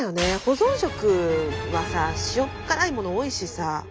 保存食はさ塩っ辛いもの多いしさ。